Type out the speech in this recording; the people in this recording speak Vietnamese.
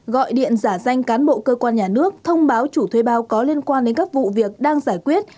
gọi điện giả danh cán bộ cơ quan nhà nước thông báo chủ thuê bao có liên quan đến các vụ việc đang giải quyết